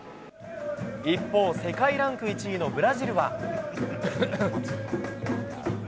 一方、世界ランク１位のブラジルは。